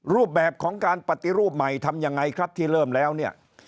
รูปแบบของการปฏิรูปใหม่ทำยังไงครับที่เริ่มแล้วเนี่ย